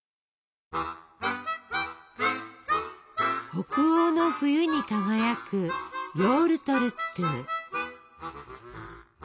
北欧の冬に輝くヨウルトルットゥ。